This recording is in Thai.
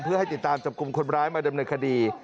เพื่อให้ติดตามจับกลุ่มคนร้ายมาดำเนินคดี